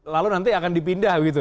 lalu nanti akan dipindah begitu